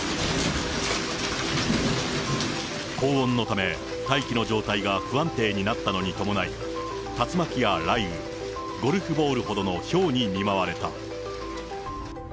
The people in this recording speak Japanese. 高温のため、大気の状態が不安定になったのに伴い、竜巻や雷雨、ゴルフボールほどのひょうに見舞われた。